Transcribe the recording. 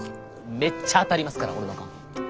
めっちゃ当たりますから俺の勘。